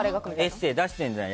エッセー出してるじゃん